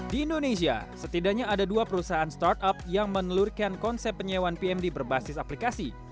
di indonesia setidaknya ada dua perusahaan startup yang menelurkan konsep penyewaan pmd berbasis aplikasi